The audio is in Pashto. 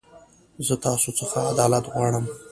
زه تاسو خڅه عدالت غواړم.